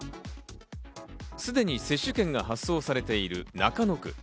すでに接種券が発送されている中野区。